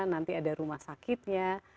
nanti ada rumah sakitnya